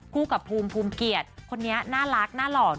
คู่กับภูมิภูมิเกียจคนนี้น่ารักน่าหล่อด้วย